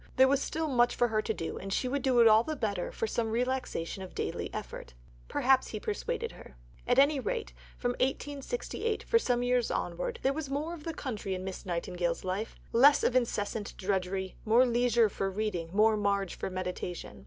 There was still much for her to do, and she would do it all the better for some relaxation of daily effort. Perhaps he persuaded her. At any rate, from 1868 for some years onwards there was more of the country in Miss Nightingale's life less of incessant drudgery, more leisure for reading, more marge for meditation.